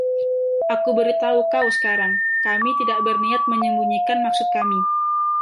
“Aku beri tahu kau sekarang, kami tidak berniat menyembunyikan maksud kami.”